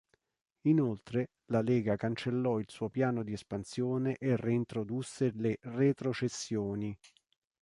Inoltre la lega cancellò il suo piano di espansione e reintrodusse le retrocessioni.